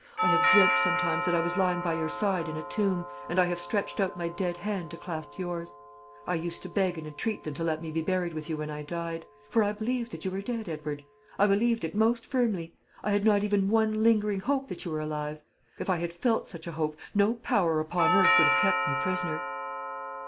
I have dreamt sometimes that I was lying by your side in a tomb, and I have stretched out my dead hand to clasp yours. I used to beg and entreat them to let me be buried with you when I died; for I believed that you were dead, Edward. I believed it most firmly. I had not even one lingering hope that you were alive. If I had felt such a hope, no power upon earth would have kept me prisoner."